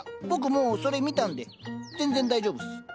僕もうそれ見たんで全然大丈夫っす。